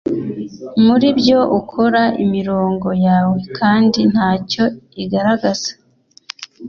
muri byo ukora imirongo yawe, kandi ntacyo igaragaza